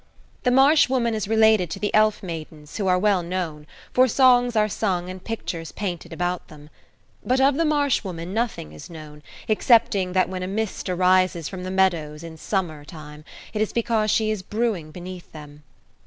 The Marsh Woman is related to the elf maidens, who are well known, for songs are sung and pictures painted about them. But of the Marsh Woman nothing is known, excepting that when a mist arises from the meadows, in summer time, it is because she is brewing beneath them.